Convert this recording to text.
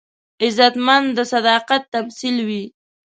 غیرتمند د صداقت تمثیل وي